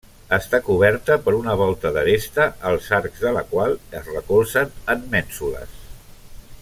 Està coberta per una volta d'aresta, els arcs de la qual es recolzen en mènsules.